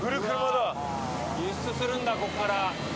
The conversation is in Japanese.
輸出するんだ、ここから。